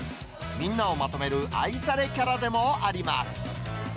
みんなをまとめる愛されキャラでもあります。